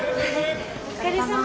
お疲れさま。